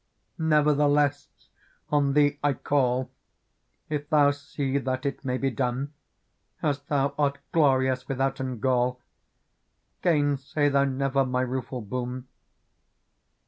" Nevertheless on thee I call. If thou see that it may be done. As thou art glorious withouten gall. Gainsay thou never ray rueful boon.